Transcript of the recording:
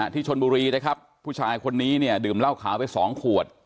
ที่ชนบุรีนะครับผู้ชายคนนี้เนี่ยดื่มเหล้าขาวไปสองขวด